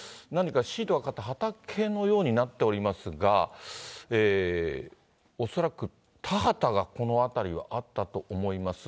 何かシートがかかった畑のようになっていますが、恐らく田畑がこの辺りはあったと思います。